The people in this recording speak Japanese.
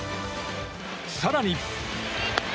更に。